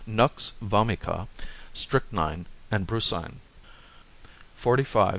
Nux Vomica, Strychnine, and Brucine 145 XLV.